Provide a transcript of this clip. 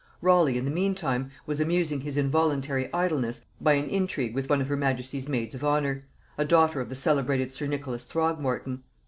Raleigh, in the meantime, was amusing his involuntary idleness by an intrigue with one of her majesty's maids of honor, a daughter of the celebrated sir Nicholas Throgmorton.